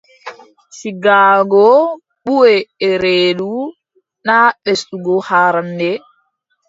Sigaago buʼe e reedu, naa ɓesdugo haarannde.